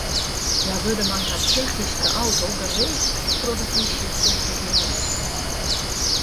Hja wurde mei har Tsjechyske auto geregeld troch de plysje kontrolearre.